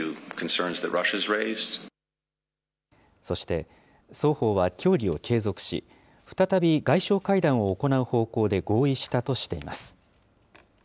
そして、双方は協議を継続し、再び外相会談を行う方向で合意したとしています。